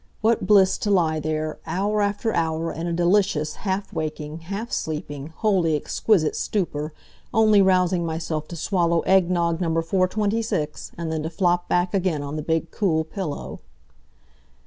What bliss to lie there, hour after hour, in a delicious half waking, half sleeping, wholly exquisite stupor, only rousing myself to swallow egg nogg No. 426, and then to flop back again on the big, cool pillow!